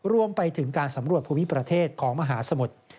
รวมไปถึงการสำรวจภูมิประเทศของมหาสมุทร